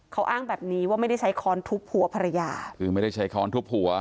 เขาอ้างแบบนี้ว่าไม่ได้ใช้ค้อนทุบหัวภรรยาคือไม่ได้ใช้ค้อนทุบหัว